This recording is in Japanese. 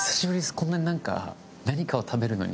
こんなに何かを食べるのに。